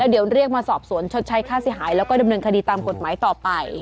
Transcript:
เดี๋ยวเรียกมาสอบสวนชดใช้ค่าเสียหายแล้วก็ดำเนินคดีตามกฎหมายต่อไป